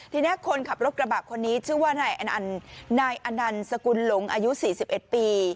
ทีนี้คนขับรถกระบะคนนี้ชื่อว่านายอนันต์สกุลหลงอายุ๔๑ปี